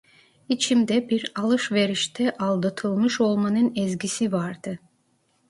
İçimde, bir alışverişte aldatılmış olmanın ezgisi vardı.